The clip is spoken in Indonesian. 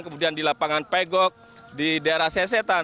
kemudian di lapangan pegok di daerah sesetan